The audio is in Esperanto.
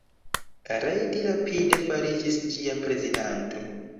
Reid rapide fariĝis ĝia prezidanto.